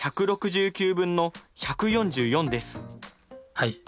はい。